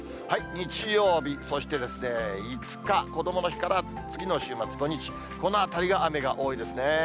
日曜日、そして５日こどもの日から次の週末、土日、このあたりが雨が多いですね。